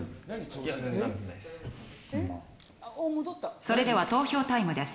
それでは投票タイムです。